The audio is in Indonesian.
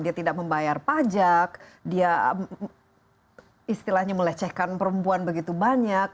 dia tidak membayar pajak dia istilahnya melecehkan perempuan begitu banyak